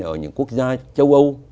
ở những quốc gia châu âu